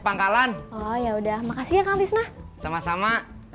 pangkalan oh ya udah makasih ya kang tisna sama sama